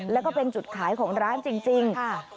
แล้วก็เป็นจุดขายของร้านจริง